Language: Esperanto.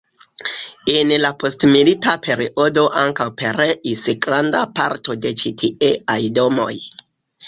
En la postmilita periodo ankaŭ pereis granda parto de ĉi tieaj domoj.